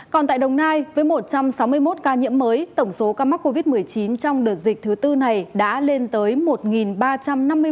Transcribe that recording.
còn tại đồng nai với một trăm sáu mươi một ca nhiễm mới tổng số ca mắc covid một mươi chín trong đợt dịch thứ tư này đã lên tới một ba trăm năm mươi ca